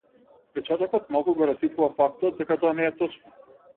Впечатокот малку го расипува фактот дека тоа не е точно.